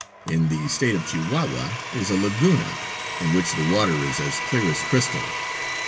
"In the State of Chihuahua is a Laguna, in which the water is as clear as crystal.